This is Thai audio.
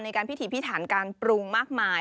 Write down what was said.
การพิถีพิถันการปรุงมากมาย